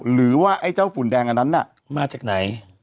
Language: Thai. หรือว่าไอ้เจ้าฝุ่นแดงอันนั้นน่ะมาจากไหน